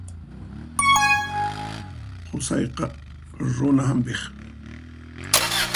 Qusayqa runa hampiq.